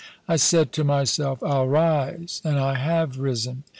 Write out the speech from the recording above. I said to myself, " I'll rise," and I have risen.